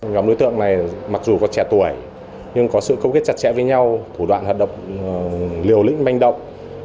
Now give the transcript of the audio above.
nhóm đối tượng này mặc dù có trẻ tuổi nhưng có sự công kết chặt chẽ với nhau thủ đoạn hợp đồng liều lĩnh manh động